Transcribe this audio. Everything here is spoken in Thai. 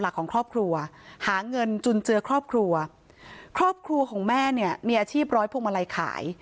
ครอบครัวของแม่เนี่ยมีอาชีพร้อยพวกมาลัยขาย